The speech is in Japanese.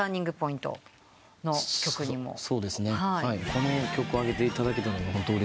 この曲を挙げていただけたのはホントうれしいです。